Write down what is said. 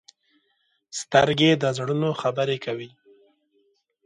سترګې د زړونو خبرې کوي